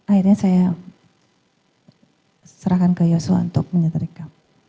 akhirnya saya serahkan ke yosua untuk menyetrika